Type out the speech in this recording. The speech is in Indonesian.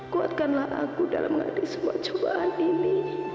kuatkanlah aku dalam menghadapi semua cobaan ini